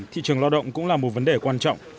thị trường lao động cũng là một vấn đề quan trọng